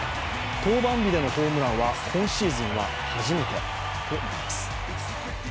登板日でのホームランは、今シーズンは初めてとなります。